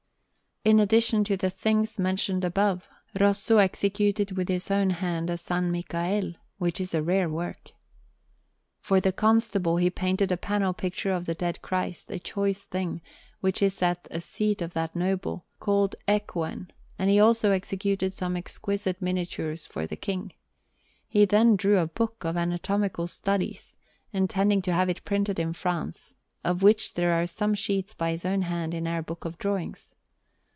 In addition to the things mentioned above, Rosso executed with his own hand a S. Michael, which is a rare work. For the Constable he painted a panel picture of the Dead Christ, a choice thing, which is at a seat of that noble, called Ecouen; and he also executed some exquisite miniatures for the King. He then drew a book of anatomical studies, intending to have it printed in France; of which there are some sheets by his own hand in our book of drawings.